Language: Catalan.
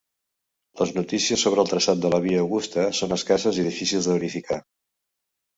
Les notícies sobre el traçat de la via Augusta són escasses i difícils de verificar.